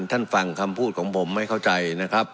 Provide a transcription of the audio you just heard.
ฟังคำพูดของผมไม่เข้าใจนะครับ